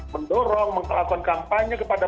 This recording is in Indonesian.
mendorong mengelakkan kampanye kepada